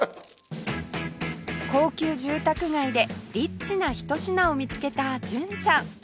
高級住宅街でリッチなひと品を見つけた純ちゃん